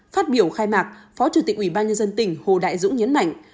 phát biểu khai mạc phó chủ tịch ủy ban nhân dân tỉnh hồ đại dũng nhấn mạnh